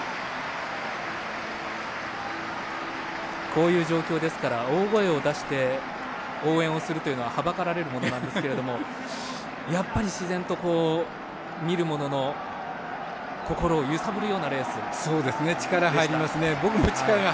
こういう状況ですから大声を出して応援をするというのははばかられるものなんですけれどもやっぱり自然と見る者の心を力入りますね。